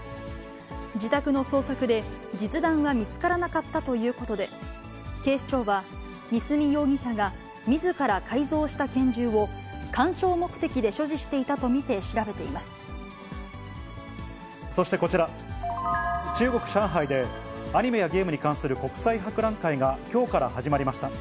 自宅に捜索で、実弾は見つからなかったということで、警視庁は、三角容疑者がみずから改造した拳銃を鑑賞目的で所持していたと見そしてこちら、中国・上海で、アニメやゲームに関する国際博覧会がきょうから始まりました。